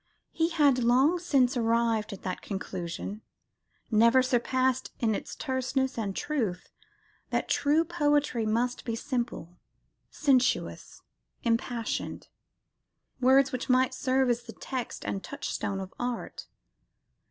He had long since arrived at that conclusion, never surpassed in its terseness and truth, that true poetry must be "simple, sensuous, impassioned," words which might serve as the text and touchstone of art.